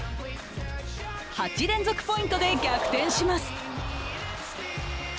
８連続ポイントで逆転します。